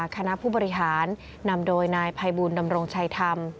คณะผู้บริหารนำโดยนายภัยบูลดำรงชัยธรรม